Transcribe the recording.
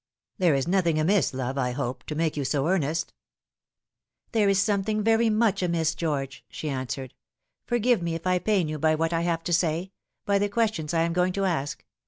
" There ia nothing amiss, love, I hope, to make you DO earnest ?" Lifting the Curtain. 131 "There is something very much amiss, George," she an swered. " Forgive me if I pain you by what I have to say by the questions I am going to ask.